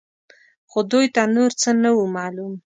خو دوی ته نور څه نه وو معلوم.